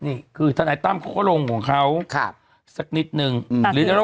นี่คือทนายตั้มเขาก็ลงของเขาสักนิดนึงหรือทุกคนครับ